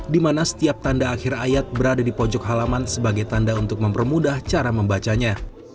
di mana setiap tanda akhir ayat berada di pojok halaman sebagai tanda untuk mempermudah cara membacanya